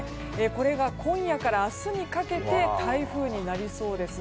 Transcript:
これが今夜から明日にかけて台風になりそうです。